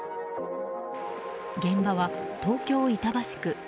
現場は、東京・板橋区。